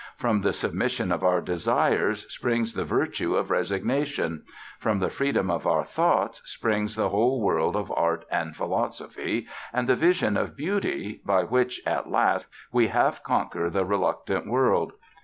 From the submission of our desires springs the virtue of resignation; from the freedom of our thoughts springs the whole world of art and philosophy, and the vision of beauty by which, at last, we half reconquer the reluctant world.